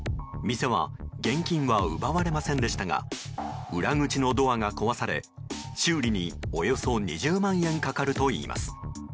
店は現金は奪われませんでしたが裏口のドアが壊され修理におよそ２０万円かかるといいます。